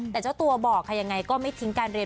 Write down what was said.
แต่เจ้าตัวบอกค่ะยังไงก็ไม่ทิ้งการเรียน